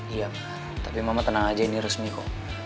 iya tapi mama tenang aja ini resmi kok